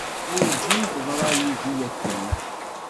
Werǧin teḍra yid-i yakan.